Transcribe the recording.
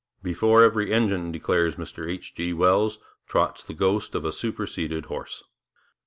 'Before every engine,' declares Mr H. G. Wells, 'trots the ghost of a superseded horse.'